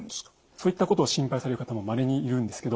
そういったことを心配される方もまれにいるんですけど